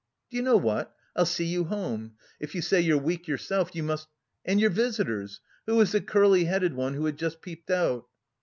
"Do you know what? I'll see you home. If you say you're weak yourself, you must..." "And your visitors? Who is the curly headed one who has just peeped out?"